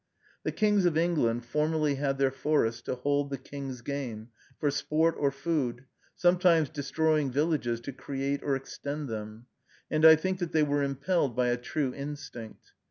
The kings of England formerly had their forests "to hold the king's game," for sport or food, sometimes destroying villages to create or extend them; and I think that they were impelled by a true instinct.